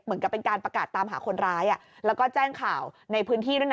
เหมือนกับเป็นการประกาศตามหาคนร้ายแล้วก็แจ้งข่าวในพื้นที่ด้วยนะ